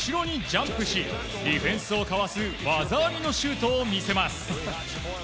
ディフェンスをかわす技ありのシュートを見せます。